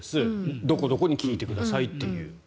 どこどこに聞いてくださいと。